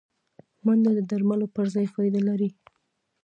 منډه د درملو پر ځای فایده لري